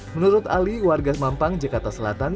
menurut ali warga mampang jakarta selatan